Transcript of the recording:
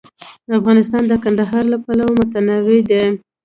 افغانستان د کندهار له پلوه متنوع دی.